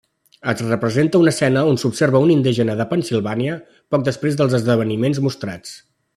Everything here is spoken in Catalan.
Es representa una escena on s'observa un indígena de Pennsilvània, poc després dels esdeveniments mostrats.